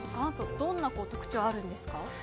どんな特徴があるんですか。